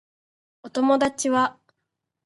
お友達は